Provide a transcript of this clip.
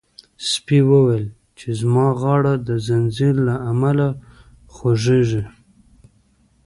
سپي وویل چې زما غاړه د زنځیر له امله خوږیږي.